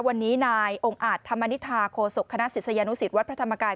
วันนี้นายองค์อาจธรรมนิษฐาโคศกคณะศิษยานุสิตวัดพระธรรมกาย